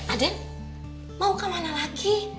aden mau ke mana lagi